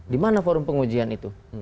di mana forum pengujian itu